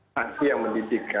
sanksi yang mendidik